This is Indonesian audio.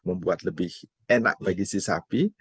membuat lebih enak bagi si sapi